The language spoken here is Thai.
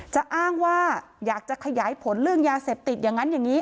อ้างว่าอยากจะขยายผลเรื่องยาเสพติดอย่างนั้นอย่างนี้